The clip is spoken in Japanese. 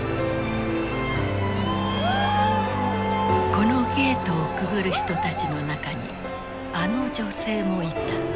このゲートをくぐる人たちの中にあの女性もいた。